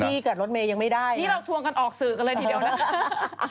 นี่เกิดรถเมย์ยังไม่ได้นี่เราทวงกันออกสื่อกันเลยทีเดียวนะคะ